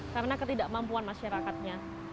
karena ketidakmampuan masyarakatnya